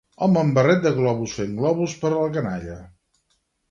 Home amb barret de globus fent globus per a la canalla.